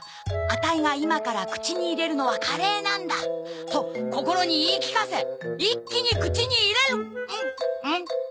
アタイが今から口に入れるのはカレーなんだ」と心に言い聞かせ一気に口に入れる！